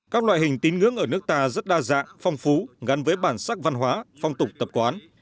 các loại hình tín ngưỡng ở nước ta rất đa dạng phong phú gắn với bản sắc văn hóa phong tục tập quán